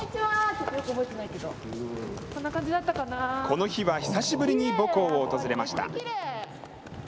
この日は久しぶりに母校を訪れました。